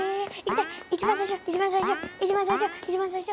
一番最初一番最初一番最初一番最初。